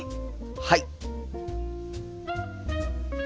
はい！